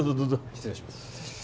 失礼します